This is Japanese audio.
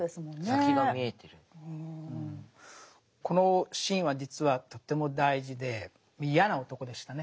このシーンは実はとっても大事で嫌な男でしたね。